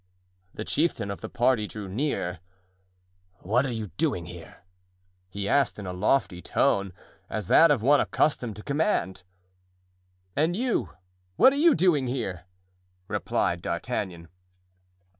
The chieftain of the party drew near. "What are you doing here?" he asked in a lofty tone, as that of one accustomed to command. "And you—what are you doing here?" replied D'Artagnan.